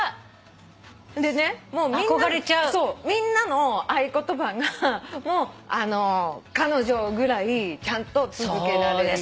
でねもうみんなの合言葉が「彼女ぐらいちゃんと続けられるように」